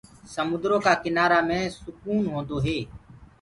سموندرو ڪآ ڪِنآرآ مي سُڪون هوندو هي۔